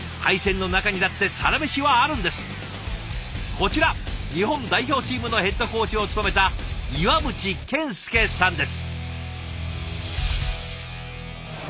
こちら日本代表チームのヘッドコーチを務めた岩渕健輔さんです。